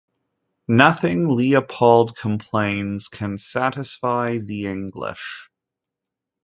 Nothing, Leopold complains, can satisfy the English.